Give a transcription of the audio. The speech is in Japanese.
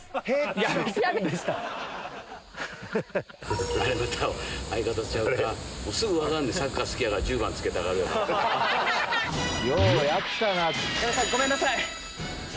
矢部さんごめんなさい。